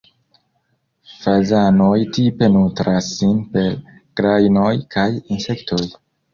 Fazanoj tipe nutras sin per grajnoj kaj insektoj.